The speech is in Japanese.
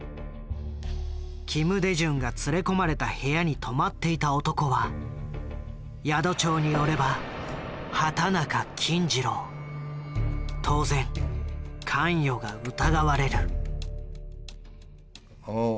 金大中が連れ込まれた部屋に泊まっていた男は宿帳によれば当然関与が疑われる。